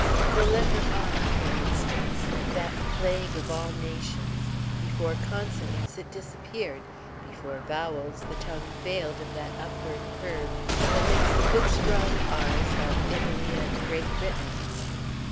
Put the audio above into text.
The letter r, for instance, that plague of all nations before consonants it disappeared; before vowels the tongue failed of that upward curve that makes the good strong r's of Italy and Great Britain.